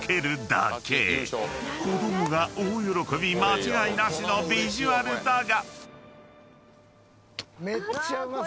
［子供が大喜び間違いなしのビジュアルだが］